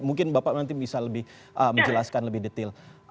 mungkin bapak nanti bisa lebih menjelaskan lebih detail